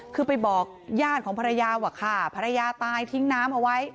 คือไปบอกญาติของภรรยาว่าค่ะภรรยาตายทิ้งน้ำเอาไว้